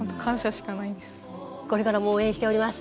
これからも応援しております。